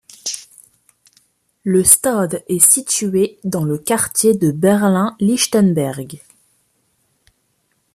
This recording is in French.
Le stade est situé dans le quartier de Berlin-Lichtenberg.